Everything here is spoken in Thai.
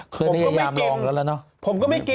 เคยมีอายามลองแล้วแล้วเนอะองพยาบาร์ดผมก็ไม่ได้กิน